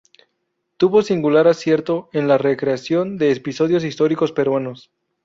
Tuvo singular acierto en la recreación de episodios históricos peruanos.